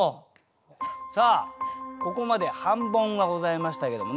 さあここまで半ボンはございましたけどもね